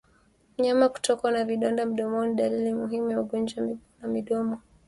Mnyama kutokwa na vidonda mdomoni ni dalili muhimu ya ugonjwa wa miguu na midomo